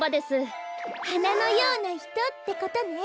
「はなのようなひと」ってことね！